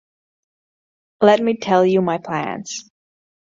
Let me tell you my plans.